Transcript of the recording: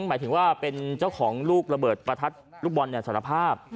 หมายถึงว่าเป็นเจ้าของลูกระเบิดประทัดลูกบอลสารภาพ